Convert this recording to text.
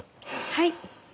はい。